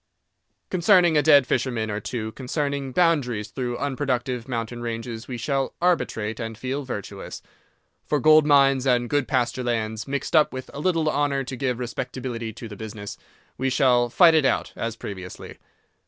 Concerning a dead fisherman or two, concerning boundaries through unproductive mountain ranges we shall arbitrate and feel virtuous. For gold mines and good pasture lands, mixed up with a little honour to give respectability to the business, we shall fight it out, as previously.